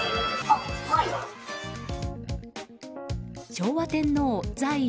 昭和天皇在位